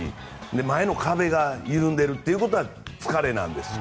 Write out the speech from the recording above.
前の壁が緩んでいるということは疲れなんです。